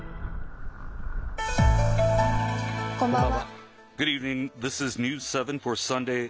こんばんは。